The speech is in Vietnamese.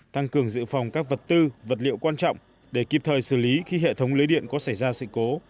tăng cường dự phòng các vật tư vật liệu quan trọng để kịp thời xử lý khi hệ thống lưới điện có xảy ra sự cố